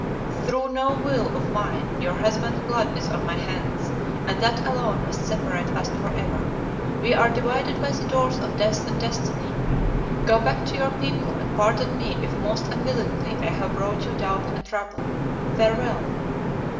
Through no will of mine your husband's blood is on my hands, and that alone must separate us for ever. We are divided by the doors of death and destiny. Go back to your people, and pardon me if most unwillingly I have brought you doubt and trouble. Farewell."